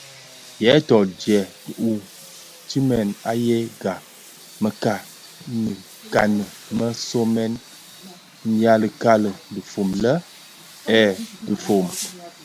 Yèè thot djehoutimès a yëga mekanikani më somèn nyi kali dhifom le: eed: dhifom.